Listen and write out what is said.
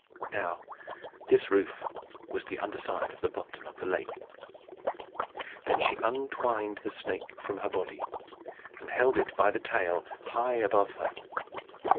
Now this roof was the under side of the bottom of the lake. She then untwined the snake from her body, and held it by the tail high above her.